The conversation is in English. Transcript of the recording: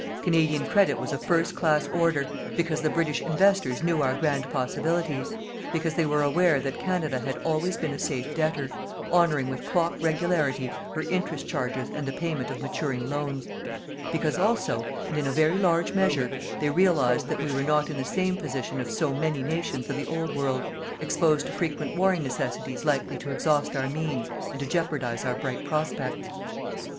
Canadian credit was of first class order, because the British investors knew our grand possibilities; because they were aware that Canada had always been a safe debtor, honouring with clock regularity her interest charges and the payment of maturing loans; because also, and in a very large measure, they realized that we were not in the same position of so many nations of the Old World, exposed to frequent warring necessities likely to exhaust our means and to jeopardize our bright prospects.